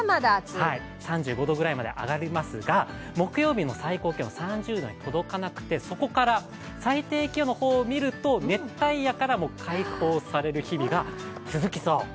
３５度ぐらいまで上がりますが、木曜日の最高気温３５度に届かなくてそこから最低気温の方を見ると熱帯夜から開放される日々が続きそう。